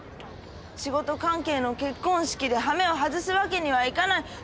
仕事関係の結婚式ではめを外すわけにはいかない。